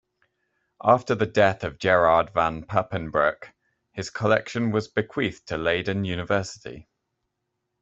After the death of Gerard van Papenbroek his collection was bequeathed to Leiden University.